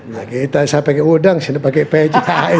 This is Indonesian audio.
nah kita saya pakai udang sini pakai peja